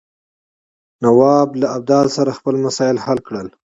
نواب له ابدالي سره خپل مسایل حل کړي.